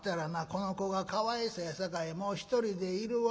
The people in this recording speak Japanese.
この子がかわいそうやさかいもう一人でいるわ』